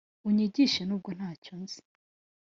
Unyigishe nubwo nta cyo nzi